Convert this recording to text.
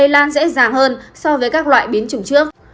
đang dễ dàng hơn so với các loại biến chủng trước